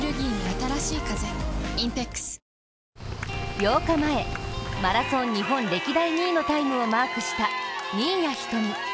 ８日前、マラソン日本歴代２位のタイムをマークした新谷仁美。